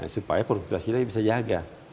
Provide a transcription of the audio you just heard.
supaya produktivitas kita bisa jaga